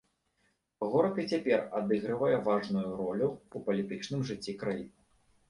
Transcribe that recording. Горад і цяпер адыгрывае важную ролю ў палітычным жыцці краіны.